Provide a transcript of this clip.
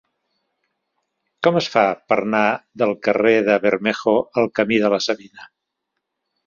Com es fa per anar del carrer de Bermejo al camí de la Savina?